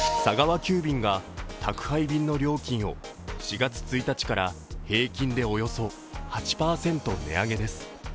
急便が宅配便の料金を４月１日から平均でおよそ８％値上げです